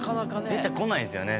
出てこないですよね